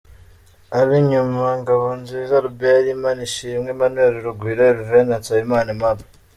Ab’Inyuma: Ngabonziza Albert, Imanishimwe Emmanuel, Rugwiro Herve na Nsabimana Aimable.